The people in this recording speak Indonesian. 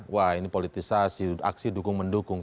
wah ini politisasi aksi dukung mendukung